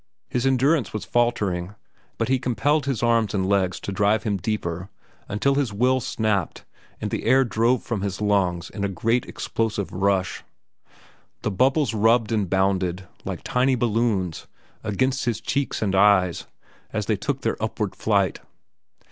His endurance was faltering, but he compelled his arms and legs to drive him deeper until his will snapped and the air drove from his lungs in a great explosive rush. The bubbles rubbed and bounded like tiny balloons against his cheeks and eyes as they took their upward flight.